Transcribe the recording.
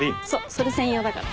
それ専用だから。